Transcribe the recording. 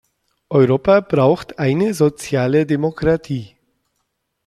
Europa braucht eine soziale Demokratie.